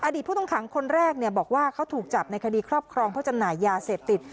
ผู้ต้องขังคนแรกบอกว่าเขาถูกจับในคดีครอบครองเพื่อจำหน่ายยาเสพติด